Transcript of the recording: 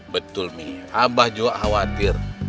betul nih abah juga khawatir